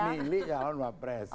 lirik calon wakil presiden